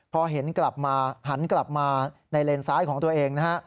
พอเห็นกลับมาหันกลับมาในเลนซ้ายของตัวเองนะฮะ